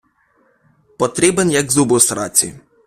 Потрібен як зуб у сраці